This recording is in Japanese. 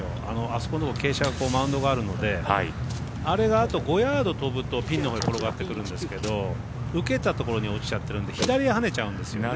あそこ傾斜、マウンドがあるのであれがあと５ヤード飛ぶとピンのところに転がっていくんですけど受けたところに落ちちゃってるんで左にはねちゃうんですよね。